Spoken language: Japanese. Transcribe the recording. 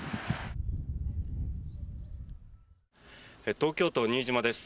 東京都・新島です。